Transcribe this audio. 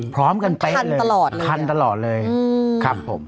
พร้อมกันไปทันตลอดเลยทันตลอดเลยครับผม